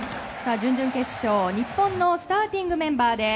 準々決勝、日本のスターティングメンバーです。